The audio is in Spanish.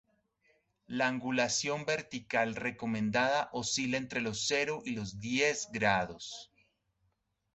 La angulación vertical recomendada oscila entre los cero y los diez grados.